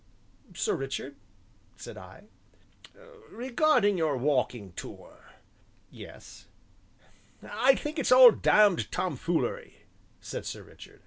"Sir Richard?" said I. "Regarding your walking tour " "Yes?" "I think it's all damned tomfoolery!" said Sir Richard.